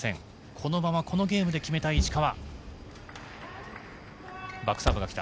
このままこのゲームで決めたい石川。